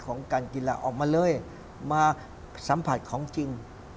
ของการกีฬาออกมาเลยมาสัมผัสของจริง